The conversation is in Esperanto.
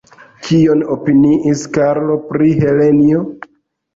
Kion opiniis Karlo pri Helenjo?